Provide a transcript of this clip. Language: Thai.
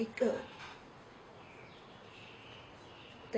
แล้วบอกว่าไม่รู้นะ